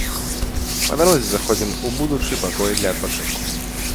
Па дарозе заходзім у будучы пакой для адпачынку.